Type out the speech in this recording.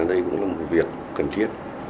đây cũng là một việc cần thiết